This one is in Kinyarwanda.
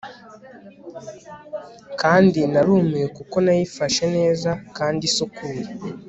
kandi narumiwe kuko nayifashe neza kandi isukuye